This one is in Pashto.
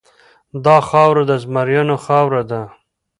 دا خاوره د زمریانو خاوره ده.